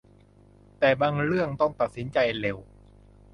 แต่บางเรื่องต้องตัดสินใจเร็ว